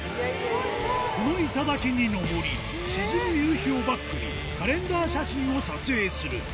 この頂に登り、沈む夕日をバックに、カレンダー写真を撮影する。